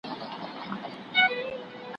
که سپی غاپي خو زه هم سم هرېدلای